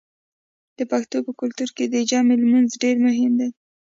د پښتنو په کلتور کې د جمعې لمونځ ډیر مهم دی.